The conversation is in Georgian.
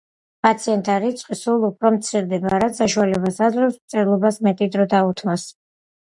პაციენტთა რიცხვი სულ უფრო მცირდება, რაც საშუალებას აძლევს მწერლობას მეტი დრო დაუთმოს.